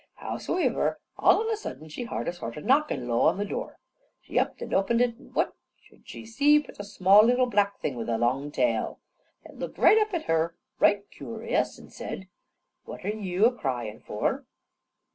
Howsivir, all on a sudden she hard a sort of a knockin' low down on the door. She upped and oped it, an' what should she see but a small little black thing with a long tail. That looked up at her right kewrious, an' that said: "What are yew a cryin' for?"